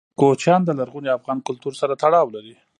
کوچیان د لرغوني افغان کلتور سره تړاو لري.